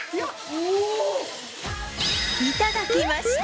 いただきました！